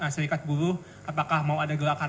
serikat buruh apakah mau ada gerakan